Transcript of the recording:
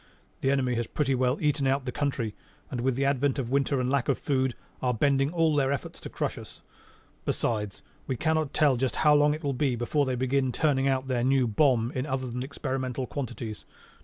"The enemy has pretty well eaten out the country and with the advent of winter and lack of food, are bending all their efforts to crush us. Besides, we cannot tell just how long it will be before they begin turning out their new bomb in other than experimental quantities.